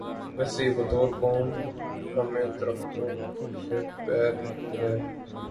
ویسے بھی بطور قوم ہمیں درختوں سے بیر ہے۔